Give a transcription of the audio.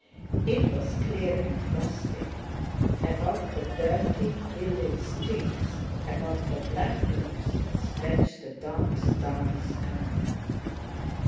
It was clear and frosty. Above the dirty, ill lit streets, above the black roofs, stretched the dark starry sky.